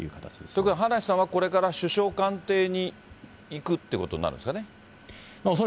とにかく葉梨さんは、これから首相官邸に行くということになるんですかね。